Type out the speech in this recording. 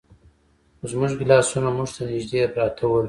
خو زموږ ګیلاسونه موږ ته نږدې پراته ول.